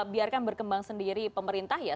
biarkan berkembang sendiri pemerintah ya